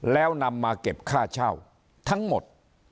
แล้วนำมาเก็บค่าเช่าทั้งหมด